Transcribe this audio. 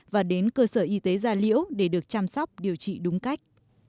và đến cơ sở y tế gia liễu để được chăm sóc điều trị đúng cách